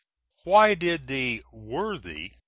Why did the worthy